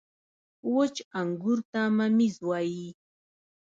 • وچ انګور ته مميز وايي.